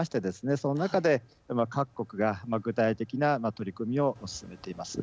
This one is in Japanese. その中で各国が具体的な取り組みを進めています。